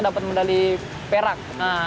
dapat medali perak